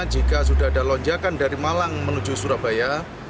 jika sudah ada lonjakan dari malang menuju surabaya